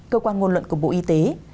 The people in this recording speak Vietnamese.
cơ quan ngôn luận của bộ y tế